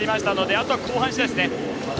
あとは後半しだいですね。